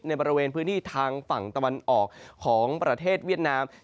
บริเวณพื้นที่ทางฝั่งตะวันออกของประเทศเวียดนาม